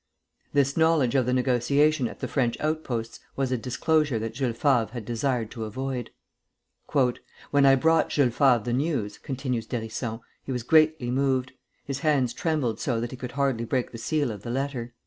This knowledge of the negotiation at the French outposts was a disclosure that Jules Favre had desired to avoid. "When I brought Jules Favre the news," continues d'Hérisson, "he was greatly moved. His hands trembled so that he could hardly break the seal of the letter."